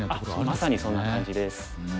まさにそんな感じです。